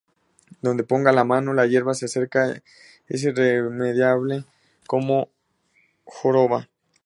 Donde pongo la mano, la hierba se seca... Es irremediable, ¡irremediable... como mi joroba!